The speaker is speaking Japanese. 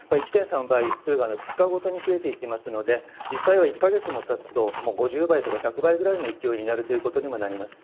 １．３倍、それが２日ごとに増えていきますので、実際は１か月もたつと、もう５０倍とか１００倍ぐらいの勢いになるということにもなります。